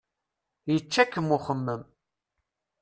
Yečča-kem uxemmem.